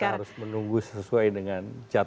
kita harus menunggu sesuai dengan jadwal